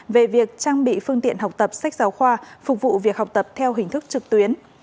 về việc trang bị phương tiện học tập sách giáo khoa phục vụ việc học tập theo hình thức trực tuyến